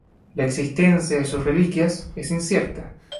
La existencia de sus reliquias es incierta.